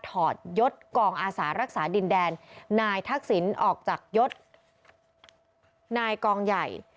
อดยศกองอาสารักษาดินแดนนายทักษิณออกจากยศนายกองใหญ่